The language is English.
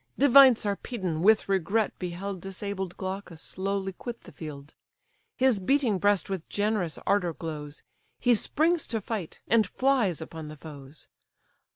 Divine Sarpedon with regret beheld Disabled Glaucus slowly quit the field; His beating breast with generous ardour glows, He springs to fight, and flies upon the foes.